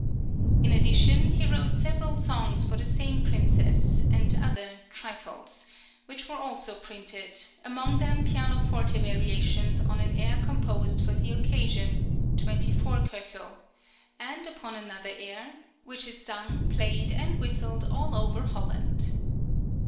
In addition, he wrote several songs for the same princess, and other "trifles," which were also printed, among them pianoforte variations on an air composed for the occasion (24 K.), and upon another air, "which is sung, played, and whistled all over Holland."